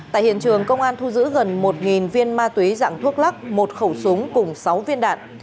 tại hiện trường công an thu giữ gần một viên ma túy dạng thuốc lắc một khẩu súng cùng sáu viên đạn